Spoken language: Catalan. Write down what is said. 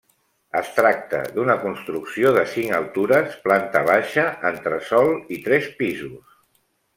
Es tracta d'una construcció de cinc altures, planta baixa, entresòl i tres pisos.